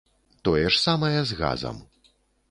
Тое ж самае з газам.